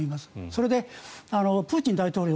それでプーチン大統領